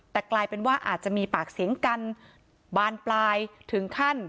แต่กลายเป็นว่าอาจจะมีปากเสียงกันบานปลายถึงขั้น